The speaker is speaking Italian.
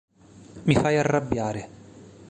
Mi fai arrabbiare.